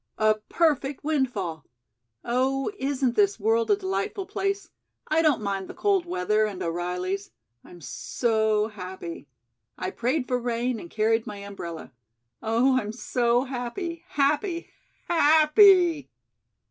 A perfect windfall. Oh, isn't this world a delightful place? I don't mind the cold weather and O'Reilly's. I'm so happy. I prayed for rain and carried my umbrella. Oh, I'm so happy, happy, happy!"